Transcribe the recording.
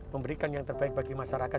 memberikan yang terbaik bagi masyarakat